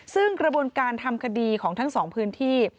ซึ่งกระบวนการทำคดีของทั้งสองพื้นที่